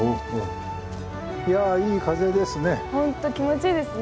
いやいい風ですね。